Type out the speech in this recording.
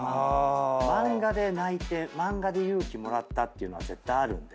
漫画で泣いて漫画で勇気もらったっていうのは絶対あるんで。